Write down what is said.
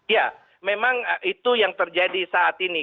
ya memang itu yang terjadi saat ini